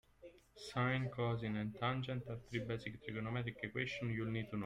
Sine, cosine and tangent are three basic trigonometric equations you'll need to know.